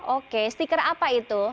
oke stiker apa itu